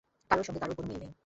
কারোর সঙ্গে কারোর কোনো মিল নেই।